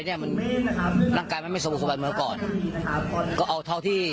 นางกายมาไม่สมบัติเหมือนก่อน